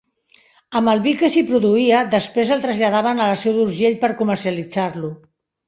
Amb el vi que s'hi produïa, després el traslladaven a la Seu d'Urgell per comercialitzar-lo.